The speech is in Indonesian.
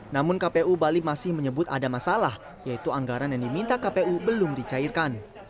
namun kpu bali masih menyebut ada masalah yaitu anggaran yang diminta kpu belum dicairkan